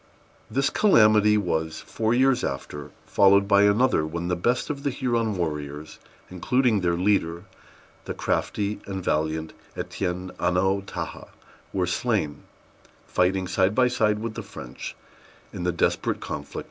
This calamity was, four years after, followed by another, when the best of the Huron warriors, including their leader, the crafty and valiant Étienne Annaotaha, were slain, fighting side by side with the French, in the desperate conflict of the Long Sault.